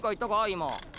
今。